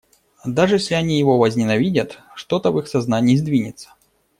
Даже если они его возненавидят, что-то в их сознании сдвинется.